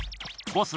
ボス